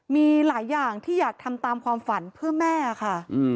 มีหลายอย่างที่อยากทำตามความฝันเพื่อแม่ค่ะ